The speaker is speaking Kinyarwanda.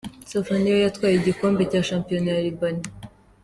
Safa niyo yatwaye igikombe cya shampiyona ya Libani.